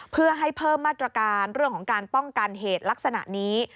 เพื่อให้เพิ่มมาตรการเรื่องของการป้องกันเหตุลักษณะนี้